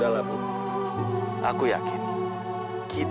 bapak lari pak